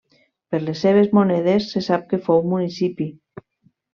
Per les seves monedes se sap que fou municipi.